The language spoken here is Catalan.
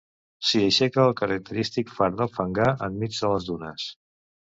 S'hi aixeca el característic far del Fangar en mig de les dunes.